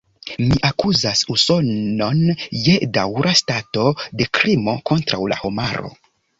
Mi akuzas Usonon je daŭra stato de krimo kontraŭ la homaro.